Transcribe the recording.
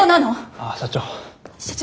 あっ社長。